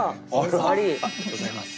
ありがとうございます。